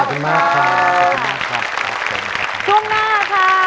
รอที่จะมาอัปเดตผลงานแล้วก็เข้าไปโด่งดังไกลถึงประเทศจีน